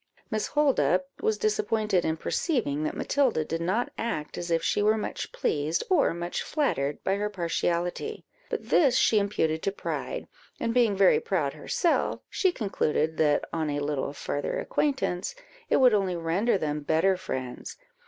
Miss Holdup was disappointed in perceiving that Matilda did not act as if she were much pleased, or much flattered, by her partiality; but this she imputed to pride, and being very proud herself, she concluded that, on a little farther acquaintance, it would only render them better friends.